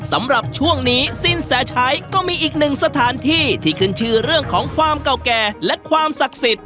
สำหรับช่วงนี้สินแสชัยก็มีอีกหนึ่งสถานที่ที่ขึ้นชื่อเรื่องของความเก่าแก่และความศักดิ์สิทธิ